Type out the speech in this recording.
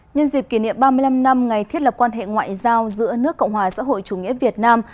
nhân dịp kỷ niệm ba mươi năm năm ngày thiết lập quan hệ ngoại giao giữa nước cộng hòa xã hội chủ nghĩa việt nam